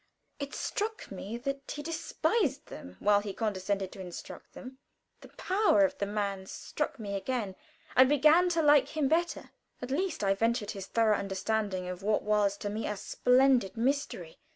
It struck me that he despised them while he condescended to instruct them. The power of the man struck me again. I began to like him better. At least I venerated his thorough understanding of what was to me a splendid mystery.